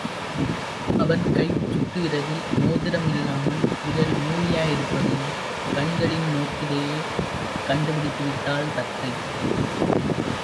அவன் கைச்சுட்டுவிரலில் மோதிரம் இல்லாமல் விரல் மூளியாயிருப்பதையும் கண்களின் நோக்கிலேயே கண்டுபிடித்துவிட்டாள் தத்தை.